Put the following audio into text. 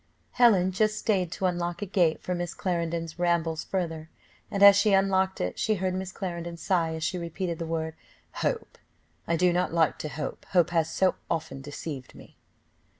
Helen just stayed to unlock a gate for Miss Clarendon's 'rambles further,' and, as she unlocked it, she heard Miss Clarendon sigh as she repeated the word, "Hope! I do not like to hope, hope has so often deceived me."